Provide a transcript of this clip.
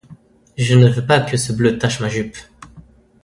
Je ne veux pas que ce bleu tache ma jupe.